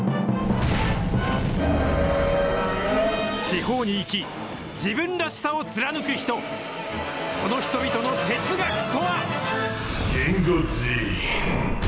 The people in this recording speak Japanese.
地方に生き、自分らしさを貫く人、その人々の哲学とは。